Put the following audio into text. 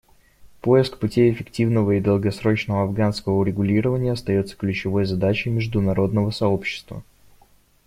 Поиск путей эффективного и долгосрочного афганского урегулирования остается ключевой задачей международного сообщества.